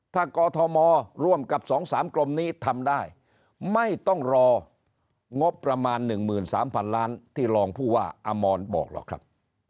ถ้ากอทมร่วมกับ๒๓กรมนี้ทำได้ไม่ต้องรองบประมาณ๑๓๐๐๐ล้านที่รองผู้ว่าอมรบอกหรอกครับ